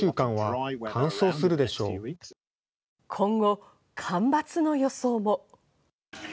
今後、干ばつの予想も。